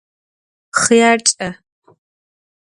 Xhyarç'e!